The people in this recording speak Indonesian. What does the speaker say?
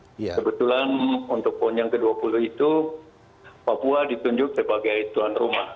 kebetulan untuk pon yang ke dua puluh itu papua ditunjuk sebagai tuan rumah